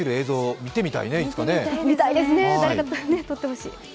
見たいですね、誰か撮ってほしい。